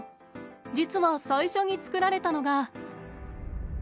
実は最初に作られたのが。